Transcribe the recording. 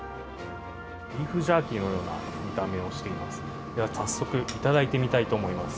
ビーフジャーキーのような見た目をしています。